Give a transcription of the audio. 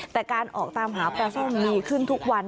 แต่การออกตามหาปลาส้มมีขึ้นทุกวัน